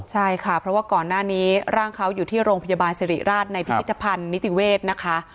ใช่ค่ะเพราะว่าก่อนหน้านี้ร่างเขาอยู่ที่โรงพยาบาลสิริราชในพิพิธภัณฑ์นิติเวศนะคะ